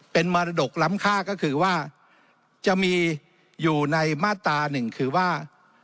เป็นมรดกล้ำค่าก็คือว่าจะมีอยู่ในมาตราหนึ่งคือว่า